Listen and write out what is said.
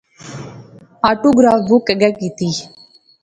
آٹو گراف بک اگے کیتی